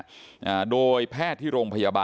แล้วก็ช่วยกันนำนายธีรวรรษส่งโรงพยาบาล